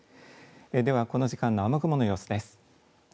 ではこの時間の雨雲の様子です。